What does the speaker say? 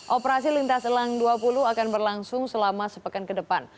operasi lintas elang dua puluh akan berlangsung selama sepekan ke depan